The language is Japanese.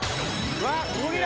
わっ！